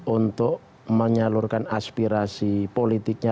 untuk menyalurkan aspirasi politiknya